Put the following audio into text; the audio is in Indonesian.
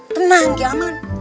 tenang kik yaman